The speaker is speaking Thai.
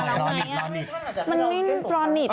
อ๋ออันนี้จะหมดเวลาแล้วไหม